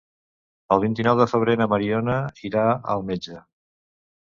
El vint-i-nou de febrer na Mariona irà al metge.